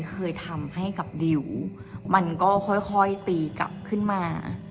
เคยทำให้กับดิวมันก็ค่อยตีกลับขึ้นมา